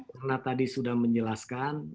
karena tadi sudah menjelaskan